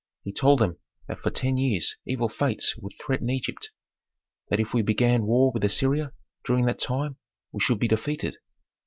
He told them that for ten years evil fates would threaten Egypt; that if we began war with Assyria during that time we should be defeated."